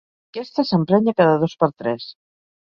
Aquesta s'emprenya cada dos per tres.